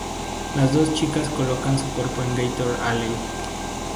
Las dos chicas colocan su cuerpo en Gator Alley.